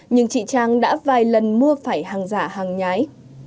nhưng chị trang đã vài lần mua phải hàng giả hàng nhái